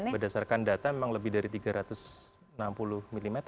berdasarkan data memang lebih dari tiga ratus enam puluh mm